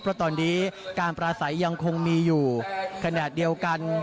เพราะตอนนี้การปราศัยยังคงมีอยู่ขณะเดียวกัน